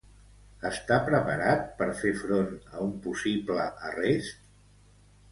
Està preparat per fer front a un possible arrest?